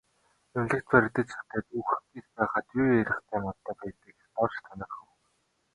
Эмнэлэгт баригдаж хэвтээд үхэх гэж байхад юу ярихтай мантай билээ гэж Дорж тунирхав.